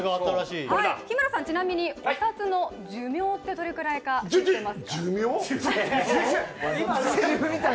日村さん、ちなみにお札の寿命ってどのぐらいかご存じですか？